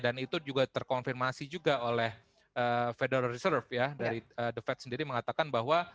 dan itu juga terkonfirmasi juga oleh federal reserve ya dari the fed sendiri mengatakan bahwa